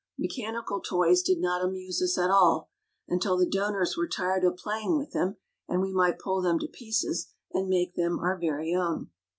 Mechanical toys did not amuse us at all, until the donors were tired of playing with them, and we might pull them to pieces and make them our very own.